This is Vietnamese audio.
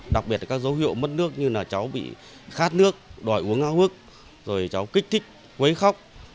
đặc biệt là các dấu hiệu mất nước như cháu bị khát nước đòi uống áo hước cháu kích thích quấy khóc